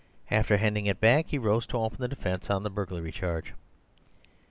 After handing it back he rose to open the defence on the burglary charge.